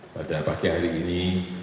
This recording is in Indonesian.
pada pagi hari ini